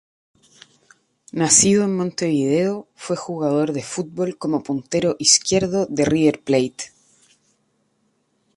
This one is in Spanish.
Nacido en Montevideo, fue jugador de fútbol como puntero izquierdo de River Plate.